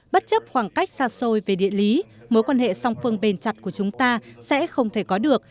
bất chấp khoảng cách xa xôi về địa lý mối quan hệ song phương bền chặt của chúng ta sẽ không thể có được